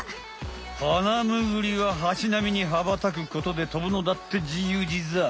ハナムグリはハチなみに羽ばたくことで飛ぶのだってじゆうじざい。